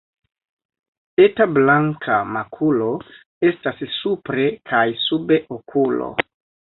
Eta blanka makulo estas supre kaj sube okulo.